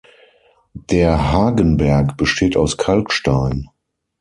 Der Hagenberg besteht aus Kalkstein.